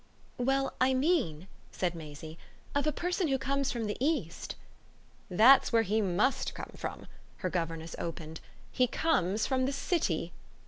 "Well, I mean," said Maisie, "of a person who comes from the East." "That's where he MUST come from," her governess opined "he comes from the City."